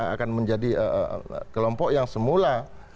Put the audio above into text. akan menjadi kelompok yang semula